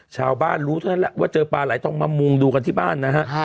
ชาวบ้านรู้เท่านั้นแหละว่าเจอปลาไหลทองมามุงดูกันที่บ้านนะฮะ